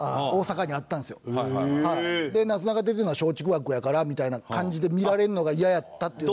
なすなか出てるのは松竹枠やからみたいな感じで見られるのが嫌やったっていうのは。